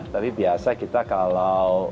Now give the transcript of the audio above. tapi biasa kita kalau